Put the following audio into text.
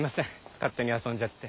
勝手に遊んじゃって。